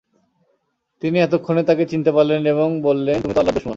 তিনি এতক্ষণে তাকে চিনতে পারলেন এবং বললেন, তুমি তো আল্লাহর দুশমন।